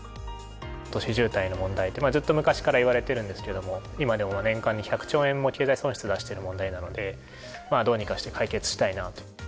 都市渋滞の問題ってずっと昔から言われているんですけども今でも年間に１００兆円も経済損失出している問題なのでまあどうにかして解決したいなと。